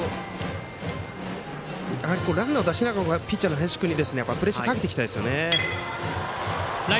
ランナーを出しながらピッチャーの林君にプレッシャーをかけていきたいですね。